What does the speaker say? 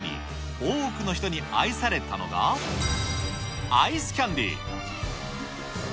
そして昭和に入り、多くの人に愛されたのが、アイスキャンディー。